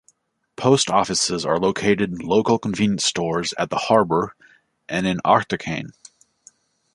Post Offices are located in local convenience stores at the harbour and in Achtercairn.